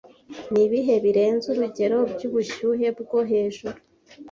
Nibihe birenze urugero byubushyuhe bwo hejuru